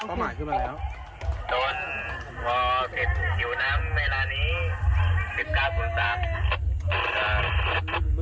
เป้าหมายขึ้นมาแล้วโดนพออยู่น้ำในร้านนี้สิบเก้าศูนย์สาม